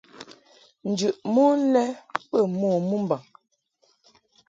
Njɨʼ mon lɛ bə mo mɨmbaŋ.